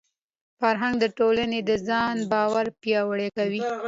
فرهنګ د ټولني د ځان باور پیاوړی کوي.